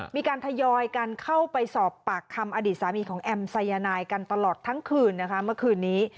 มีการทยอยกันเข้าไปสอบปากคำอดีตสามีของแอมสายนายกันตลอดทั้งคืนนะคะเมื่อคืนนี้